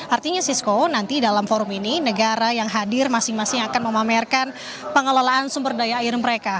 artinya sisco nanti dalam forum ini negara yang hadir masing masing akan memamerkan pengelolaan sumber daya air mereka